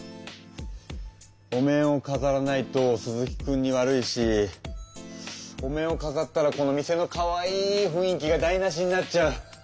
お面をかざらないと鈴木くんに悪いしお面をかざったらこの店のかわいいふんい気がだいなしになっちゃう。